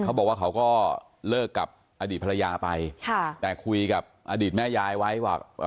เขาบอกว่าเขาก็เลิกกับอดีตภรรยาไปค่ะแต่คุยกับอดีตแม่ยายไว้ว่า